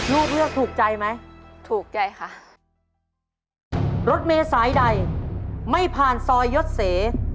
ลูกเลือกถูกใจไหมถูกใจค่ะรถเมษายใดไม่ผ่านซอยยศเส